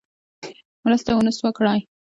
مرسته ونه سوه کړای.